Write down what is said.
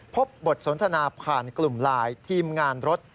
พบบทสนทนาผ่านกลุ่มไลน์ทีมงานรถ